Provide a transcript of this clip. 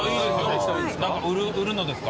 何か売るのですか？